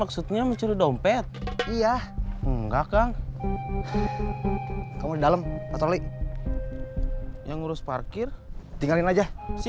akang yang mau dipotringe cuma mukanya aja